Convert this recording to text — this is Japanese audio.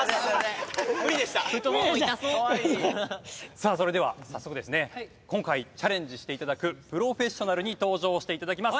さあそれでは早速ですね今回チャレンジして頂くプロフェッショナルに登場して頂きます。